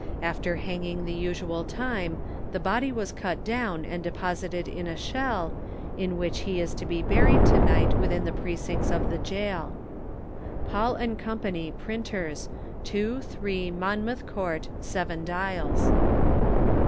After hanging the usual time, the body was cut down, and deposited in a shell, in which he is to be buried to night within the precintes of the gaol. PAUL & CO., Printers, 2, 3, Monmouth Court, Seven Dials.